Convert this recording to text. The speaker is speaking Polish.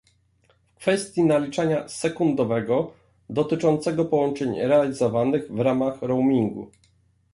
W kwestii naliczania sekundowego dotyczącego połączeń realizowanych w ramach roamingu